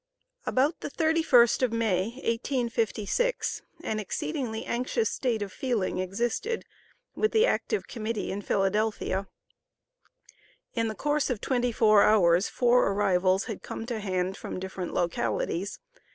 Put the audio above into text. About the 31st of May, 1856, an exceedingly anxious state of feeling existed with the active Committee in Philadelphia. In the course of twenty four hours four arrivals had come to hand from different localities.